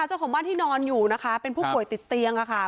เป็นผู้ป่วยติดเตียงอะค่ะ